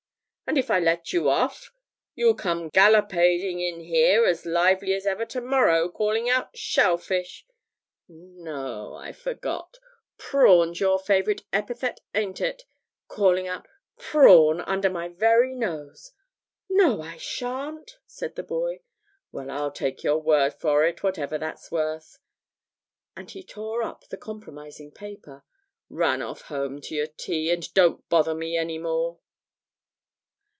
'And if I let you off you'll come gallopading in here as lively as ever to morrow, calling out "Shellfish" no, I forgot "Prawn's" your favourite epithet, ain't it? calling out "Prawn" under my very nose.' 'No, I shan't,' said the boy. 'Well, I'll take your word for it, whatever that's worth,' and he tore up the compromising paper. 'Run off home to your tea, and don't bother me any more.'